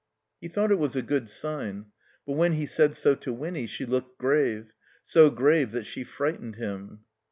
He thought it was a good sign. But when he said so to Winny she looked grave, so grave that she frightened bim.